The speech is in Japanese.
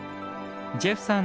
ジェフさん